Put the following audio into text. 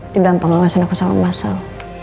di dalam pengawasan aku sama masel